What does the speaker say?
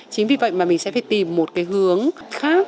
chính vì vậy mà mình sẽ phải tìm một cái hướng khác